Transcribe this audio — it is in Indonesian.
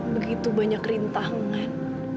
begitu banyak rintangan